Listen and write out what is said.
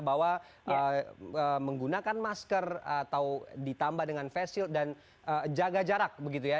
bahwa menggunakan masker atau ditambah dengan face shield dan jaga jarak begitu ya